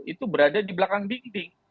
itu berada di belakang dinding